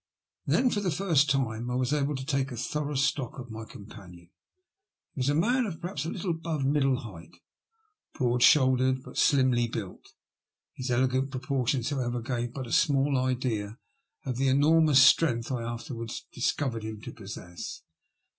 Then, for the first time, I was able to take thorough stock of my companion. He was a man of perhaps a little above middle height, broad shouldered, but slimly built. His elegant proportions, however, gave but a small idea of the enormous strength I afterwards discovered him to possess.